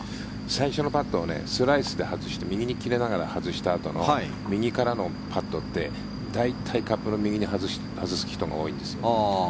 最初のパットをスライスで外して右に切れながら外したあとの右からのパットって大体カップの右に外す人が多いんです。